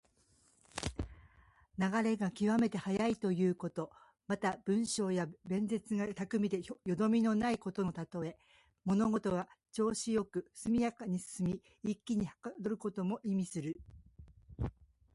流れが極めて速いということ。また、文章や弁舌が巧みでよどみのないことのたとえ。物事が調子良く速やかに進み、一気にはかどることも意味する。